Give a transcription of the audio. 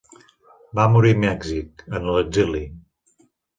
Va morir a Mèxic, en l'exili.